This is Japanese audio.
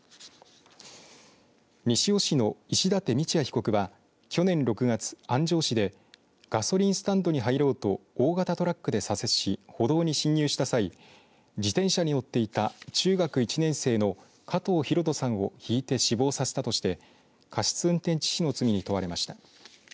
西尾市の石舘満也被告は去年６月、安城市でガソリンスタンドに入ろうと大型トラックで左折し歩道に侵入した際、自転車に乗っていた中学１年生の加藤大翔さんをひいて死亡させたとして過失運転致死の罪に問われました。